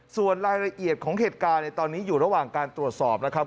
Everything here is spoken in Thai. ส่วนรายละเอียดของเหตุการณ์ในตอนนี้อยู่ระหว่างการตรวจสอบนะครับ